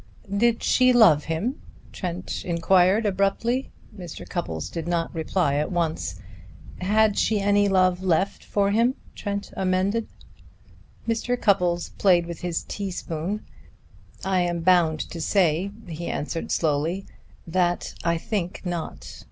"Did she love him?" Trent inquired abruptly. Mr. Cupples did not reply at once. "Had she any love left for him?" Trent amended. Mr. Cupples played with his teaspoon. "I am bound to say," he answered slowly, "that I think not.